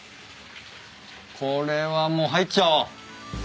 これはもう入っちゃおう。